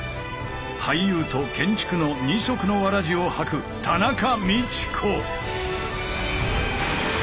俳優と建築の二足のわらじを履く田中道子！